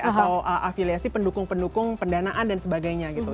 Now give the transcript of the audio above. atau afiliasi pendukung pendukung pendanaan dan sebagainya gitu